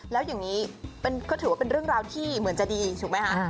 แล้วอย่างนี้ก็ถือว่าเป็นเรื่องราวที่เหมือนจะดีถูกไหมคะ